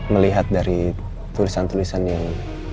melihat dari tulisan tulisan yang